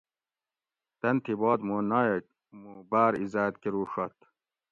تن تھی باد موں نایٔک مو باۤر ایزاۤت کۤروڛت